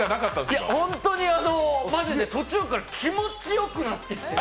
本当にまじで途中から気持ちよくなってきて。